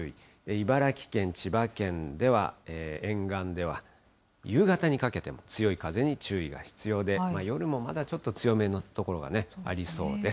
茨城県、千葉県では、沿岸では夕方にかけても強い風に注意が必要で、夜もまだちょっと強めの所がありそうです。